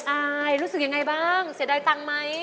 อายรู้สึกยังไงบ้างเสียดายตังค์ไหม